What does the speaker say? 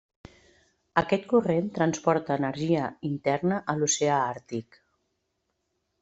Aquest corrent transporta energia interna a l'Oceà Àrtic.